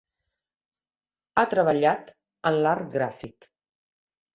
Ha treballat en l'art gràfic.